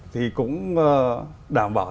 thì cũng đảm bảo